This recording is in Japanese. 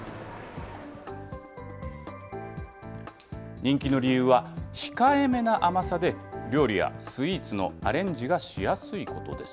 人気の理由は、控えめな甘さで、料理やスイーツのアレンジがしやすいことです。